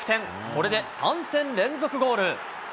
これで３戦連続ゴール。